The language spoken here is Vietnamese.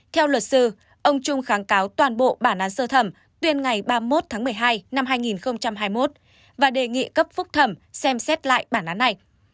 theo luật sư ông trung kháng cáo toàn bộ bản án sơ thẩm tuyên ngày ba mươi một tháng một mươi hai năm hai nghìn hai mươi một và đề nghị cấp phúc thẩm xem xét lại bản án này